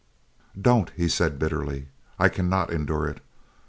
"Don't," he said, bitterly. "I cannot endure it.